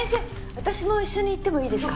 私も一緒に行ってもいいですか？